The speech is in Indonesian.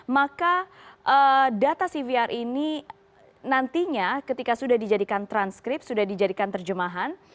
maka data cvr ini nantinya ketika sudah dijadikan transkrip sudah dijadikan terjemahan